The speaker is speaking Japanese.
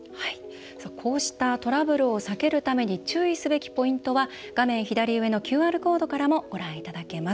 こうしたトラブルを避けるために注意すべきポイントは画面左上のＱＲコードからもご覧いただけます。